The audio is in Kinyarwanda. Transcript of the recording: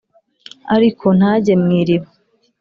aríko ntajye mw iiriba